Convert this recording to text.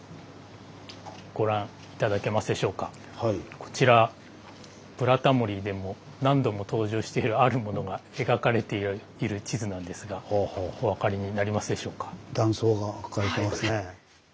こちら「ブラタモリ」でも何度も登場しているあるものが描かれている地図なんですがお分かりになりますでしょうか？